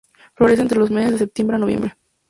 Florece entre los meses de septiembre a noviembre.